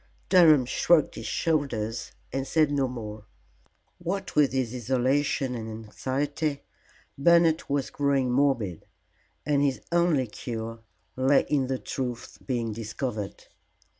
Durham shrugged his shoulders and said no more. What with his isolation and anxiety, Bernard was growing morbid, and his only cure lay in the truth being discovered.